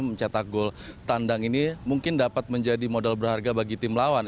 mencetak gol tandang ini mungkin dapat menjadi modal berharga bagi tim lawan